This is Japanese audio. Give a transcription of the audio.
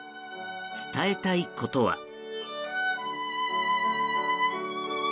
伝えたいことは。